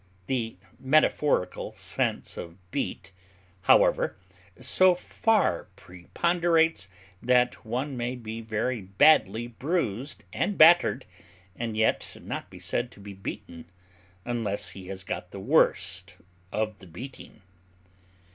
The metaphorical sense of beat, however, so far preponderates that one may be very badly bruised and battered, and yet not be said to be beaten, unless he has got the worst of the beating.